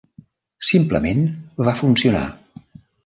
Simplement va funcionar.